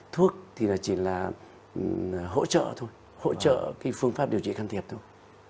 thuốc thì chỉ là hỗ trợ thôi hỗ trợ cái phương pháp điều trị can thiệp thôi